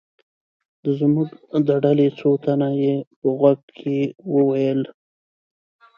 د زموږ د ډلې څو تنه یې په غوږ کې و ویل.